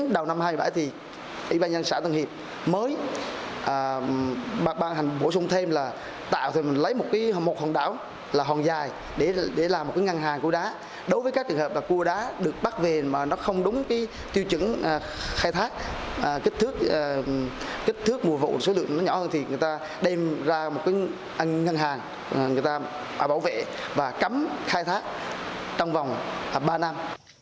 đây là một cái ngăn hàng cua đá đối với các trường hợp cua đá được bắt về mà nó không đúng tiêu chứng khai thác kích thước mùa vụ số lượng nó nhỏ hơn thì người ta đem ra một cái ngăn hàng người ta bảo vệ và cấm khai thác trong vòng ba năm